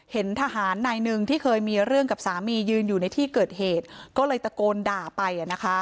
เห็นทหารนายหนึ่งที่เคยมีเรื่องกับสามียืนอยู่ในที่เกิดเหตุก็เลยตะโกนด่าไป